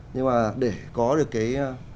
nhưng mà để có được cái